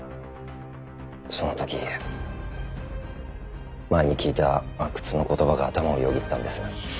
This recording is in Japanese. その時前に聞いた阿久津の言葉が頭をよぎったんです。